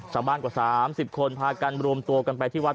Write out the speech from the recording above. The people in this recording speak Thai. กว่า๓๐คนพากันรวมตัวกันไปที่วัด